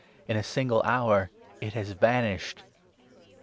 In a single hour it has vanished.'